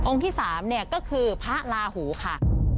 ที่๓เนี่ยก็คือพระลาหูค่ะ